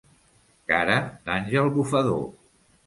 Cara d'àngel bufador.